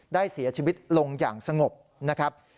ได้เสียชีวิตลงอย่างสงบ